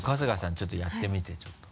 ちょっとやってみてちょっと。